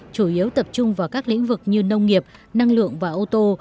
chủ yếu tập trung vào các lĩnh vực như nông nghiệp năng lượng và ô tô